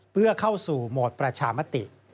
เพื่อเข้าสู่โหมดประชามติ